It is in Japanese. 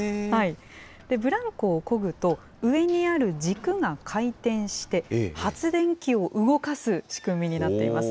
ブランコをこぐと、上にある軸が回転して、発電機を動かす仕組みになっています。